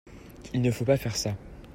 Il ne faut pas faire ça.